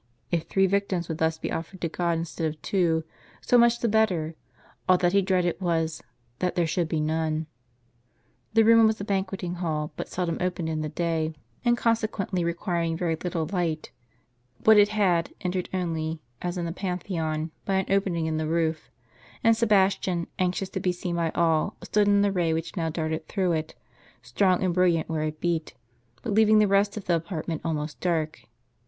If three victims would thus be offered to God instead of two, so much the better; all that he dreaded was, that there should be none. The room was a banqueting hall but seldom opened in the day, and consequently requiring very little light ; what it had, entered only, as in the Pantheon, by an opening in the roof; and Sebastian, anxious to be seen by all, stood in the ray which ^ now darted through it, strong and brilliant where it beat, but leaving the rest of the aj)artment almost dark.